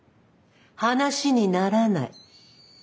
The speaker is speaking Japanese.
話にならない。